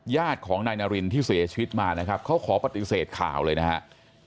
ญาติของนายนารินที่เสียชีวิตมานะครับเขาขอปฏิเสธข่าวเลยนะครับ